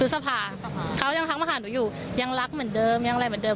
สภาเขายังทักมาหาหนูอยู่ยังรักเหมือนเดิมยังอะไรเหมือนเดิ